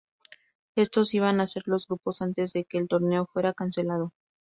Estos iban a ser los grupos antes de que el torneo fuera cancelado.